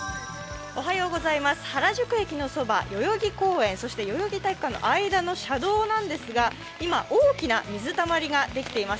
原宿駅のそば、代々木公園、そして代々木体育館の間の車道なんですが今、大きな水たまりができています。